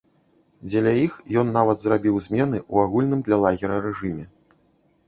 Дзеля іх ён нават зрабіў змены ў агульным для лагера рэжыме.